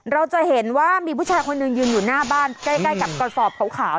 เราจะเห็นว่ามีผู้ชายคนหนึ่งยืนอยู่หน้าบ้านใกล้กับกระสอบขาว